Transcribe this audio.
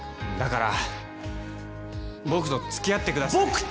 だから僕とつきあってください。